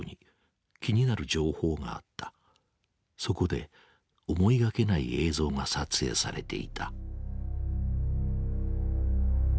そこで思いがけない映像が撮影されていた。